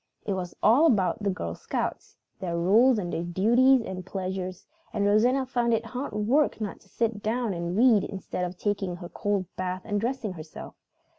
It was all about the Girl Scouts, and their rules and duties and pleasures, and Rosanna found it hard work not to sit down and read instead of taking her cold bath and dressing herself.